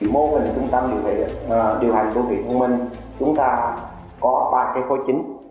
mô hình trung tâm điều hành tp thông minh chúng ta có ba cái khối chính